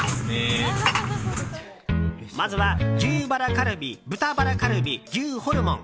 まずは牛バラカルビ豚バラカルビ、牛ホルモン。